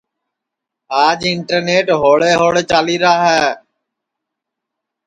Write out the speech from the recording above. آج انٹرنیٹ ہوݪے ہوݪے چالیرا ہے